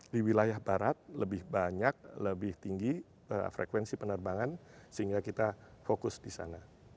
di wilayah barat lebih banyak lebih tinggi frekuensi penerbangan sehingga kita fokus di sana